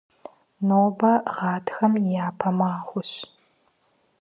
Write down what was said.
Нобэ гъатхэм и япэ махуэщ.